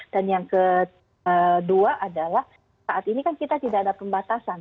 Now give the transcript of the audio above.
dan yang kedua adalah saat ini kan kita tidak ada pembatasan